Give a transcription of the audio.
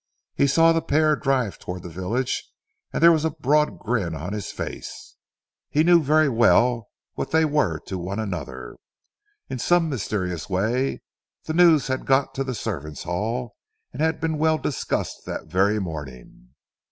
He saw the pair drive towards the village and there was a broad grin on his face. He knew very well what they were to one another. In some mysterious way the news had got to the servants' hall and had been well discussed that very morning.